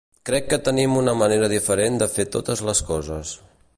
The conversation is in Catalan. Crec que tenim una manera diferent de fer totes les coses.